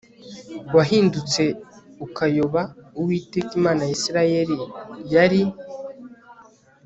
wahindutse ukayoba Uwiteka Imana ya Isirayeli yari